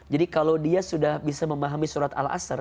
jadi kalau dia sudah bisa memahami surat allah